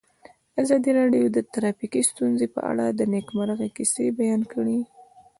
ازادي راډیو د ټرافیکي ستونزې په اړه د نېکمرغۍ کیسې بیان کړې.